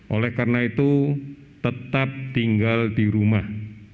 oleh karena itu tetap tinggal di rumah